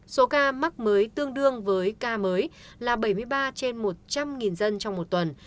số ca mắc mới tương đương với ca mới là bảy mươi ba trên một trăm linh dân trong một tuần